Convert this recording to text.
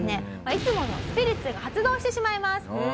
いつものスピリッツが発動してしまいます。